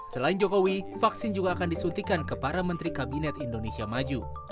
selain jokowi vaksin juga akan disuntikan ke para menteri kabinet indonesia maju